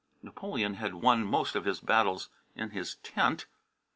Napoleon had won most of his battles in his tent.